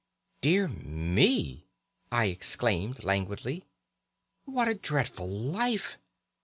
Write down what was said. "'Dear me!' I exclaimed languidly. 'What a dreadful life!